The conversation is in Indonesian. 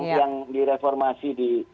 yang direformasi di